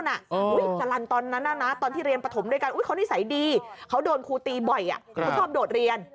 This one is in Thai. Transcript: จรรย์ตอนนั้นตอนที่เรียนปฐมด้วยกันเขานิสัยดีเขาโดนครูตีบ่อยเขาชอบโดดเรียน